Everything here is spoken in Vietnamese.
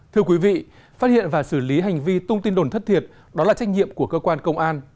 thưa quý vị phát hiện và xử lý hành vi tung tin đồn thất thiệt đó là trách nhiệm của cơ quan công an